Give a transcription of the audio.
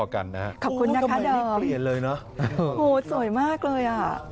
ค่ะขอบคุณนะคะเดิมโอ้สวยมากเลย